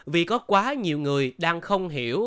vì có quá nhiều người đang không hiểu